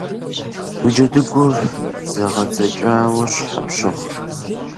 Уи джэдыгур зэгъэдзэкӏауэ щхьэ пщыгъ?